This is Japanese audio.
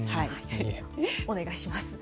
お願いします。